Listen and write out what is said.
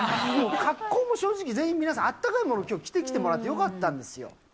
格好も正直、全員皆さん、あったかいものをきょう着てきてもらってよかったんですよ。